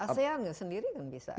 asean sendiri kan bisa